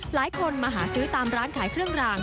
หลายคนมาหาซื้อตามร้านขายเครื่องราง